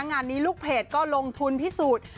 งานนี้ลูกเพจก็ลงทุนพิสูจน์